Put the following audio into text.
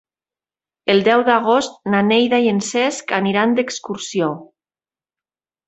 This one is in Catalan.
El deu d'agost na Neida i en Cesc aniran d'excursió.